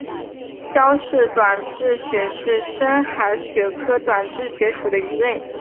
焦氏短稚鳕为深海鳕科短稚鳕属的鱼类。